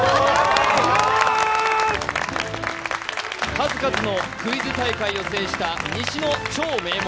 数々のクイズ大会を制した西の超名門。